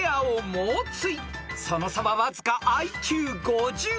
［その差はわずかＩＱ５０］